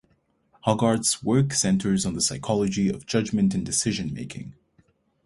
Hogarth’s work centers on the psychology of judgment and decision making.